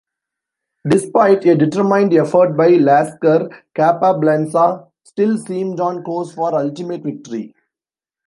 Despite a determined effort by Lasker, Capablanca still seemed on course for ultimate victory.